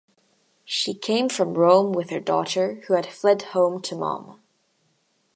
She came from Rome with her daughter, who had fled home to momma.